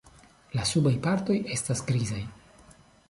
La subaj partoj estas grizaj.